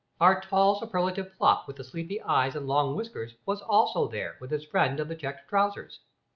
Our tall superlative fop with the sleepy eyes and long whiskers was also there with his friend of the checked trousers.